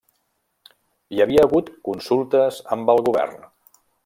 Hi havia hagut consultes amb el govern.